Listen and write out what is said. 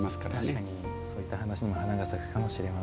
確かにそういった話にも花が咲くかもしれません。